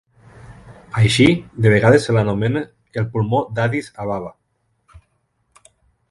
Així, de vegades se l'anomena "el pulmó d'Addis Ababa".